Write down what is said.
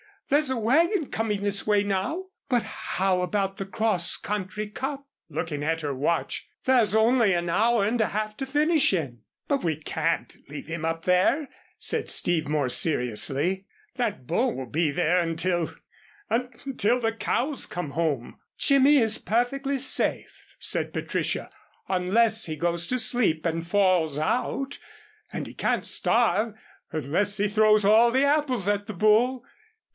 There's a wagon coming this way now." "But how about the Cross Country Cup?" looking at her watch. "There's only an hour and a half to finish in." "But we can't leave him up there," said Steve, more seriously. "That bull will be there until until the cows come home." "Jimmy is perfectly safe," said Patricia, "unless he goes to sleep and falls out; and he can't starve unless he throws all the apples at the bull."